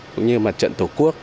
cũng như mặt trận tổ quốc